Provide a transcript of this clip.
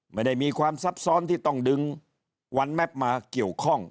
ไม่ได้มีความซับซ้อนที่ต้องดึงวันแมพมาเกี่ยวข้อง